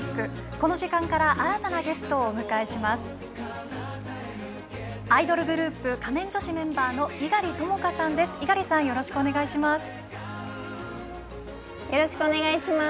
この時間から新たなゲストをお迎えします。